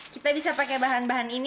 kita bisa pakai bahan bahan ini